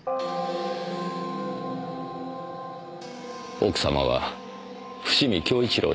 奥様は伏見享一良氏の。